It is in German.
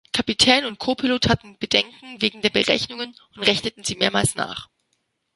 Kapitän und Copilot hatten Bedenken wegen der Berechnungen und rechneten sie mehrmals nach.